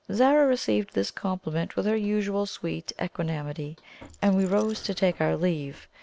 Zara received this compliment with her usual sweet equanimity, and we rose to take our leave.